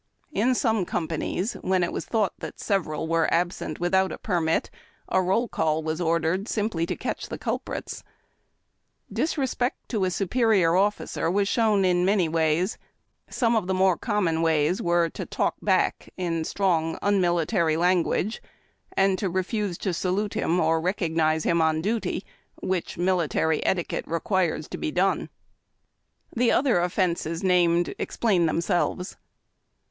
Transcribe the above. In some companies, when it was thought that several were absent without a permit, a roll call was ordered simply to catcli the culprits. Dis respect to a superior officer was shown in many ways. Some of the more common ways were to '• talk back," in strong unmilitary language, and to refuse to salute him or recognize him on duty, which military etiquette re (juires to be done. Tlie other offences named explain them selves.